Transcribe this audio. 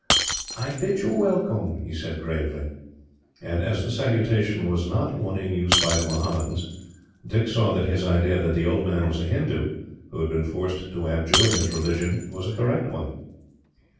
"I bid you welcome," he said gravely. And as the salutation was not one in use by the Mohammedans, Dick saw that his idea that the old man was a Hindoo, who had been forced to abjure his religion, was a correct one.